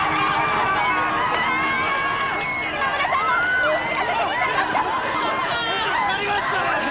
島村さんの救出が確認されました！